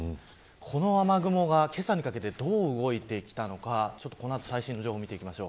この雨雲が、けさにかけてどう動いてきたのかこの後、最新の情報見ていきます。